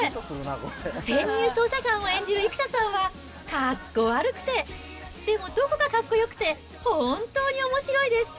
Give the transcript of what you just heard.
潜入捜査官を演じる生田さんは、かっこ悪くて、でもどこかかっこよくて、本当におもしろいです。